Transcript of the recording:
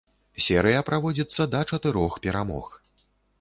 Серыя праводзіцца да чатырох перамог.